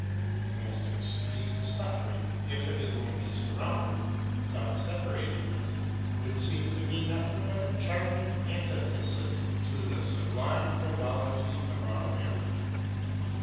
The most extreme suffering, if it is only surrounded, without separating us, would seem to me nothing but a charming antithesis to the sublime frivolity of our marriage.